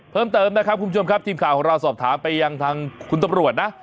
เพิ่มเติมนะครับคุณผู้ชมครับทีมข่าวของเราสอบถามไปยังทางคุณตำรวจนะ